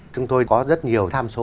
chúng tôi có rất nhiều tham số